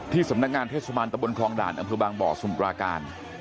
สำนักงานเทศบาลตะบนคลองด่านอำเภอบางบ่อสมุปราการ